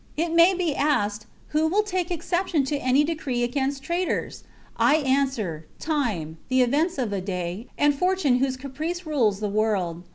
It may be asked, Who will take exception to any, decree against traitors ? I answer, time, the events of a day, and fortune whose caprice rules the world.